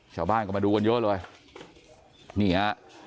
ชาวบ้านก็มาดูกันเยอะเลยนี่ฮะ